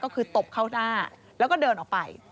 ก็คือตบเข้าหน้าแล้วก็เดินออกไป